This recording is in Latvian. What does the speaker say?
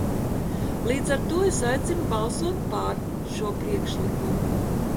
"Līdz ar to es aicinu balsot "par" šo priekšlikumu."